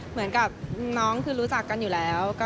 เหมือนกับน้องคือรู้จักกันอยู่แล้ว